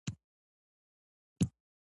ښځې د خپل هیواد مشران په خپله خوښه ټاکي.